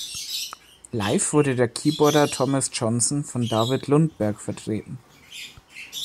Live wurde der Keyboarder Thomas Johnsson von David Lundberg vertreten.